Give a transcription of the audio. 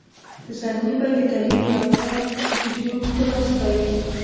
زلمي به د تعلیم یافته نجونو ښکلا ستایي.